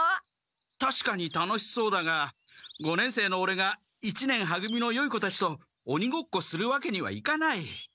たしかに楽しそうだが五年生のオレが一年は組のよい子たちとおにごっこするわけにはいかない。